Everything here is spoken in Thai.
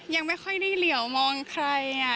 ยังไม่ค่อยได้เหลี่ยวมองใคร